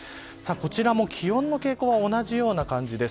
こちらの気温の傾向は同じような感じです。